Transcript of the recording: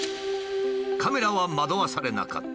カメラは惑わされなかった。